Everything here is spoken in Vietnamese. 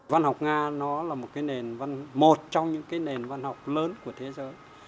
văn học nga là một trong những nền văn học lớn của thế giới